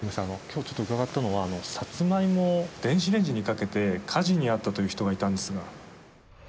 今日ちょっと伺ったのはサツマイモを電子レンジにかけて火事に遭ったという人がいたんですが。